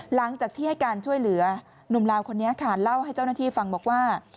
หลังจากที่ให้การช่วยเหลือหนุ่มลาวคนนี้ค่ะเล่าให้เจ้าหน้าที่ฟังบอกว่า